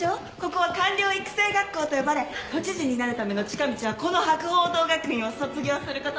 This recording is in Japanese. ここは官僚育成学校と呼ばれ都知事になるための近道はこの白鵬堂学院を卒業することだって。